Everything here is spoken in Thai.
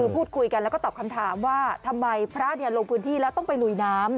พูดคุยกันแล้วก็ตอบคำถามว่าทำไมพระลงพื้นที่แล้วต้องไปลุยน้ำ